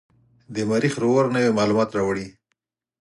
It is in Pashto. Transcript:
د مریخ روور نوې معلومات راوړي.